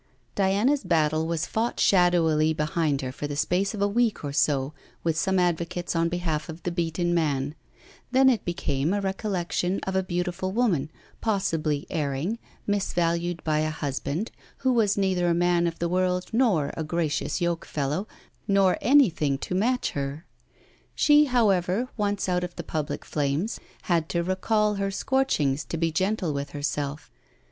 Diana's battle was fought shadowily behind her for the space of a week or so, with some advocates on behalf of the beaten man; then it became a recollection of a beautiful woman, possibly erring, misvalued by a husband, who was neither a man of the world nor a gracious yokefellow, nor anything to match her. She, however, once out of the public flames, had to recall her scorchings to be gentle with herself.